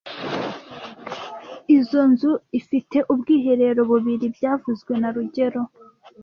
Izoi nzu ifite ubwiherero bubiri byavuzwe na rugero